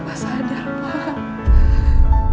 pak sadar pak